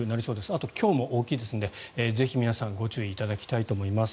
あと今日も大きいですのでぜひ皆さんご注意いただきたいと思います。